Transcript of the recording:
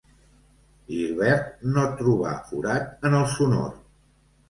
Gilbert no trobà forat en el sonor.